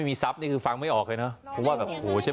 ไม่เคยไล่เลย